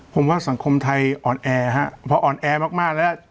ผมว่าสังคมไทยออนแอร์ฮะเพราะออนแอร์มากมากแล้ว